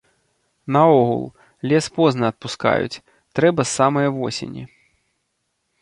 Наогул, лес позна адпускаюць, трэба з самае восені.